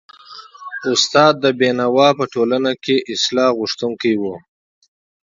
استاد بينوا په ټولنه کي د اصلاح غوښتونکی و.